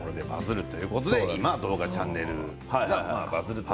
今は動画チャンネルがバズって。